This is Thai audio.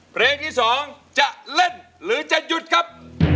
เพลงที่๒จะเล่นหรือจะหยุดครับ